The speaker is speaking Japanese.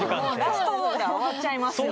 ラストオーダー終わっちゃいますよね。